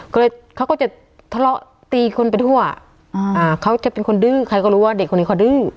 ก็เลยเขาก็จะทะเลาะตีคนไปทั่วอ่าอ่าเขาจะเป็นคนดื้อใครก็รู้ว่าเด็กคนนี้เขาดื้อ